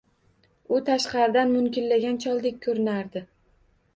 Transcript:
U tashqaridan munkillagan choldek koʻrinardi.